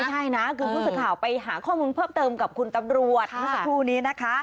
ไม่ใช่นะคือผู้สื่อข่าวไปหาข้อมูลเพิ่มเติมกับคุณตำรวจ